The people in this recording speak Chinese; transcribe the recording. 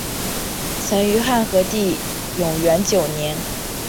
曾于汉和帝永元九年。